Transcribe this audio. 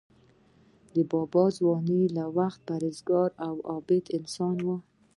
بابا د ځوانۍ له وخته پرهیزګار او عابد انسان و.